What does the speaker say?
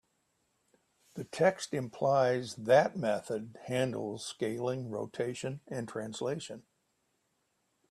The text implies that method handles scaling, rotation, and translation.